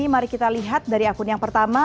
mari kita lihat dari akun yang pertama